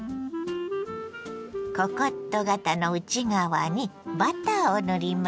ココット型の内側にバターを塗ります。